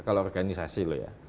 kalau organisasi loh ya